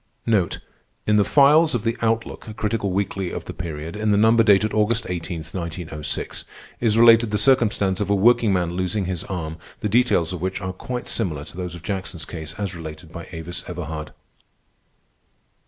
In the files of the Outlook, a critical weekly of the period, in the number dated August 18, 1906, is related the circumstance of a workingman losing his arm, the details of which are quite similar to those of Jackson's case as related by Avis Everhard.